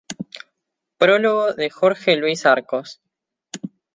Prólogo de Jorge Luis Arcos.